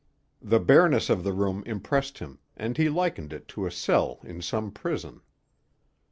The bareness of the room impressed him, and he likened it to a cell in some prison.